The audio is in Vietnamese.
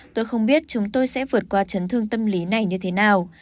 tôi không biết chúng tôi sẽ vượt qua chấn thương tâm lý này như thế nào